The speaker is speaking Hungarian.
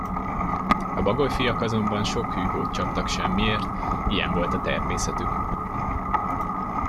A bagolyfiak azonban sok hűhót csaptak semmiért, ilyen volt a természetük.